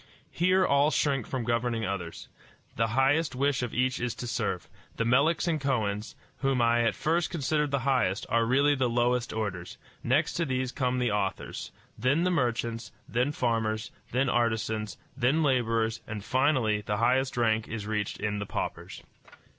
Here all shrink from governing others. The highest wish of each is to serve. The Meleks and Kohens, whom I at first considered the highest, are really the lowest orders; next to these come the authors, then the merchants, then farmers, then artisans, then laborers, and, finally, the highest rank is reached in the paupers.